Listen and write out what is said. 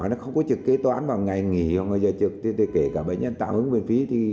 nó không có trực kế toán vào ngày nghỉ kể cả bệnh nhân tạm ứng bệnh phí